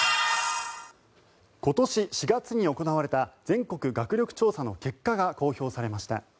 今年４月に行われた全国学力調査の結果が発表されました。